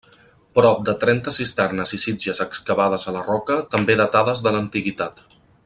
Prop de trenta cisternes i sitges excavades a la roca també datades de l'antiguitat.